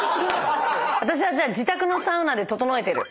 私はじゃあ自宅のサウナでととのえてる。